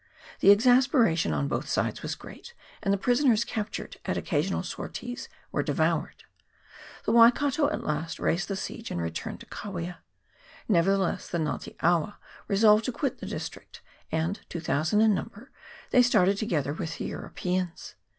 The exasperation on both sides was great, and the prisoners captured at occasional sorties were de voured. The Waikato at last raised the siege and returned to Kawia; nevertheless the Nga te awa resolved to quit the district, and, 2000 in number, they started together with the Europeans.